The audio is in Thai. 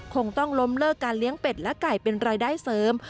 คงต้องล้มเลิกการเลี้ยงเป็ดและไก่เป็นรายได้เสริม